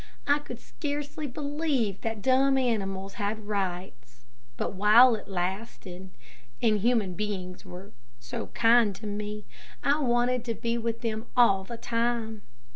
I could scarcely believe that dumb animals had rights; but while it lasted, and human beings were so kind to me, I wanted to be with them all the time.